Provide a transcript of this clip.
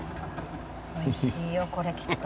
おいしいよこれきっと。